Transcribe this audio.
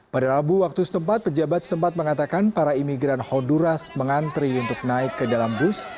pada rabu waktu setempat pejabat setempat mengatakan para imigran hoduras mengantri untuk naik ke dalam bus